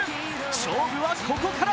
勝負はここから！